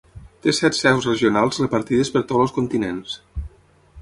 Té set seus regionals repartides per tots els continents.